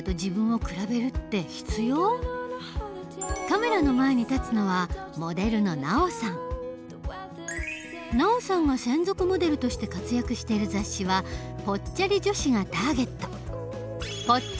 カメラの前に立つのはＮＡＯさんが専属モデルとして活躍している雑誌はぽっちゃり女子がターゲット。